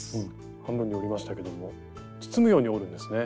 半分に折りましたけども包むように折るんですね。